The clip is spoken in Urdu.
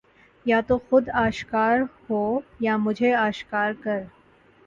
یا تو خود آشکار ہو یا مجھے آشکار کر